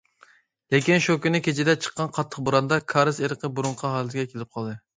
لېكىن شۇ كۈنى كېچىدە چىققان قاتتىق بوراندا كارىز ئېرىقى بۇرۇنقى ھالىتىگە كېلىپ قالدى.